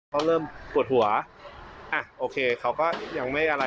เขาเริ่มปวดหัวอ่ะโอเคเขาก็ยังไม่อะไร